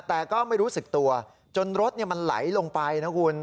แต่ก็ไม่รู้สึกตัวจนรถมันไหลลงไปนะคุณ